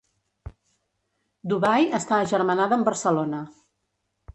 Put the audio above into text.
Dubai està agermanada amb Barcelona.